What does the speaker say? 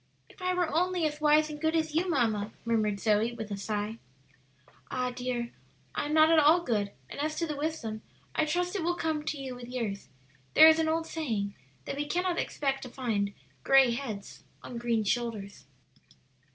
"If I were only as wise and good as you, mamma!" murmured Zoe with a sigh. "Ah, dear, I am not at all good; and as to the wisdom, I trust it will come to you with years; there is an old saying that we cannot expect to find gray heads on green shoulders."